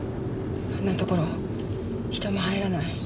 あんなところ人も入らない。